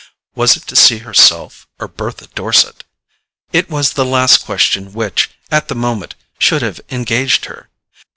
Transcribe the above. Was it to see herself or Bertha Dorset? It was the last question which, at that moment, should have engaged her.